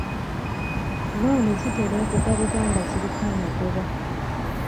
Looni zitera okugabibwa nga ziriko amagoba.